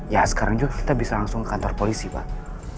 ya sekarang juga kita bisa langsung ke kantor polisi pak